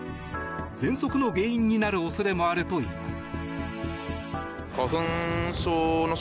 ぜんそくの原因になる恐れもあるといいます。